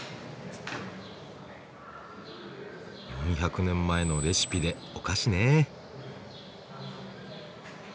４００年前のレシピでお菓子ね。